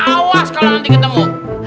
awas kalau nanti ketemu